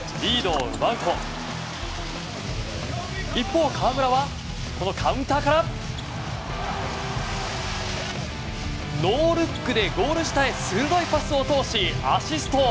これをきっちり決めリードを奪うと一方、河村はこのカウンターからノールックでゴール下へパスを通しアシスト。